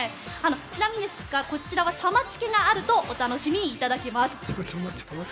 ちなみにこちらはサマチケがあるとお楽しみいただけます。